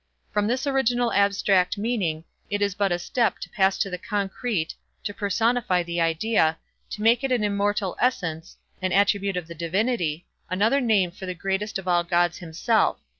From this original abstract meaning, it was but a step to pass to the concrete, to personify the idea, to make it an immortal essence, an attribute of the divinity, another name for the greatest of all Gods himself.